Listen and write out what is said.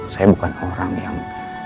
saya bukan orang yang